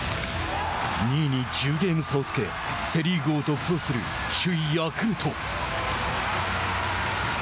２位に１０ゲーム差をつけセ・リーグを独走する首位ヤクルト。